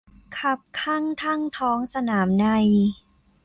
คับคั่งทั้งท้องสนามใน